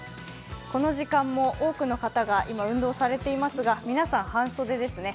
この時間も多くの方が今、運動されていますが皆さん半袖ですね。